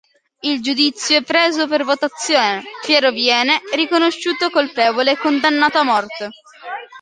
Il giudizio è preso per votazione: Piero viene riconosciuto colpevole e condannato a morte.